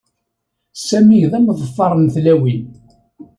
Sami d ameḍfar n tlawin.